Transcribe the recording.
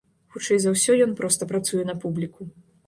Хутчэй за ўсё, ён проста працуе на публіку.